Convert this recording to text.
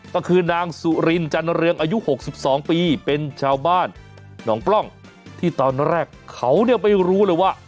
ก็คือนางสุรินจันเรืองอายุ๖๒ปีเป็นชาวบ้านหนองปล้องที่ตอนแรกเขาเนี่ยไม่รู้เลยว่า